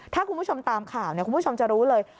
ถ้าคุณผู้ชมตามข่าวคุณผู้ชมจะรู้เลย